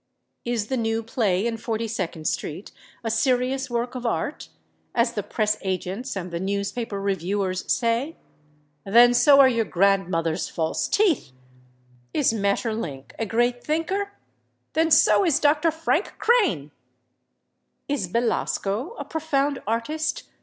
Is the new play in Forty second Street a serious work of art, as the press agents and the newspaper reviewers say? Then so are your grandmother's false teeth! Is Maeterlinck a Great Thinker? Then so is Dr. Frank Crane! Is Belasco a profound artist?